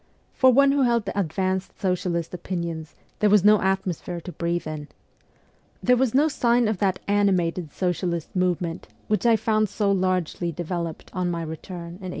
For one who held advanced socialist opinions, there was no atmosphere to breathe in. There was no sign of that animated socialist movement 252 MEMOIRS OF A RE VOLUTIONIST which I found so largely developed on my return in 1886.